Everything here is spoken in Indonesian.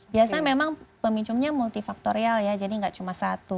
biasanya memang pemicunya multifaktorial ya jadi gak cuma satu